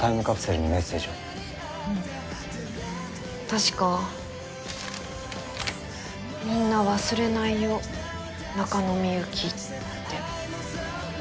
確か「みんな忘れないよ中野幸」って。